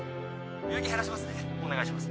輸液減らしますねお願いします